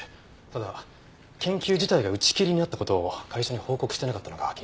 ただ研究自体が打ち切りになった事を会社に報告してなかったのが気になります。